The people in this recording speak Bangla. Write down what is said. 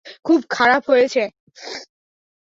খুব খারাপ হয়েছে।